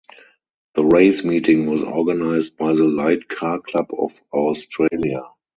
The race meeting was organised by the Light Car Club of Australia.